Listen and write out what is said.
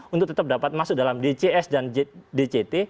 untuk tetap dapat masuk dalam dcs dan dct